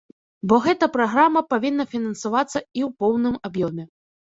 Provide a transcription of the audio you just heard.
Бо гэта праграма павінна фінансавацца і ў поўным аб'ёме.